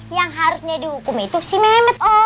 yang harusnya dihukum itu si mehmet om